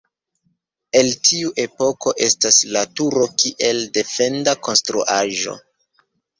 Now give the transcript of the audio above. El tiu epoko estas la turo kiel defenda konstruaĵo.